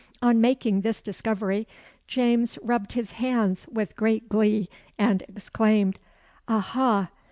On making this discovery, James rubbed his hands with great glee, and exclaimed "Aha!